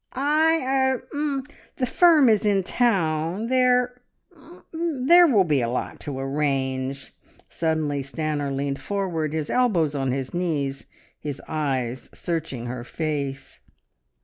"I ... er ... the firm is in town. There er there will be a lot to arrange." Suddenly Stanor leaned forward, his elbows on his knees, his eyes searching her face.